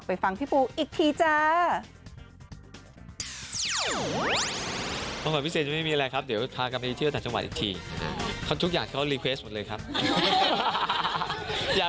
ฟังพี่ปูอีกทีจ้า